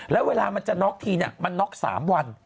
แล้วเวลามันจะน็อกทีเนี่ยมันน็อก๓วัน